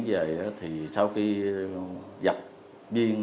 chuyển về thì sau khi dập viên